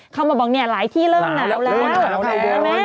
เข้ามาบอกนี่หลายที่เริ่มหนาวแล้วเริ่มหนาวแล้ว